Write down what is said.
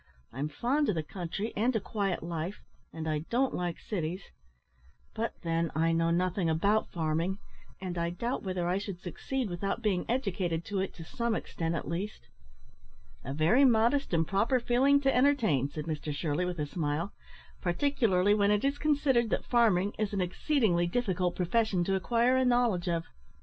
I'm fond of the country and a quiet life, and I don't like cities; but, then, I know nothing about farming, and I doubt whether I should succeed without being educated to it to some extent at least." "A very modest and proper feeling to entertain," said Mr Shirley, with a smile; "particularly when it is considered that farming is an exceedingly difficult profession to acquire a knowledge of.